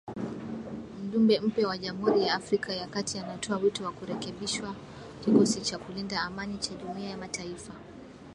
Mjumbe mpya wa Jamhuri ya Afrika ya kati anatoa wito wa kurekebishwa kikosi cha kulinda amani cha Jumuiya ya mataifa.